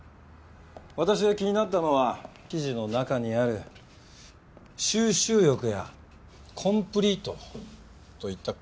私が気になったのは記事の中にある「蒐集欲」や「コンプリート」といった言葉です。